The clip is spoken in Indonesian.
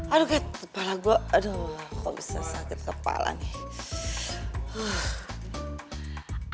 aduh get kepala gue aduh kok bisa sakit kepala nih